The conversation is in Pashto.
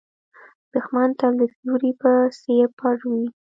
دښمن تل د سیوري په څېر پټ وي